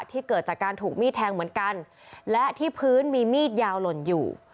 เกิดจากการถูกมีดแทงเหมือนกันและที่พื้นมีมีดยาวหล่นอยู่